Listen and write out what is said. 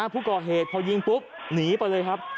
ผู้ก่อเหตุพอยิงปุ๊บหนีไปเลยครับ